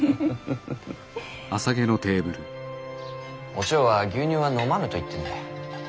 お千代は牛乳は飲まぬと言ってんだ。